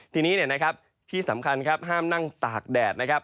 ทีนี้ที่สำคัญห้ามนั่งตากแดด